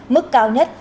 mức cao nhất